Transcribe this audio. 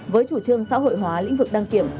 với chủ trương xã hội hóa lĩnh vực đăng kiểm